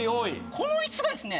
この椅子がですね